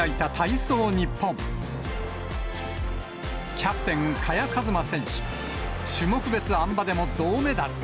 キャプテン、萱和磨選手、種目別あん馬でも銅メダル。